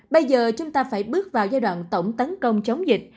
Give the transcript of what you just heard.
bây giờ chúng ta phải bước vào giai đoạn tổng tấn công chống dịch